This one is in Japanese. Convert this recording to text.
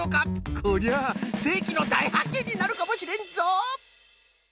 こりゃあせいきのだいはっけんになるかもしれんぞ。